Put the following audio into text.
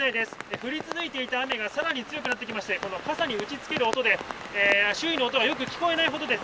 降り続いていた雨がさらに強くなってきまして、この傘に打ちつける音で、周囲の音がよく聞こえないほどです。